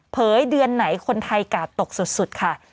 เดือนไหนคนไทยกาดตกสุดค่ะ